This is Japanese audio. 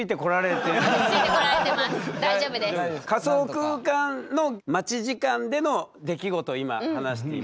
仮想空間の待ち時間での出来事を今話しています。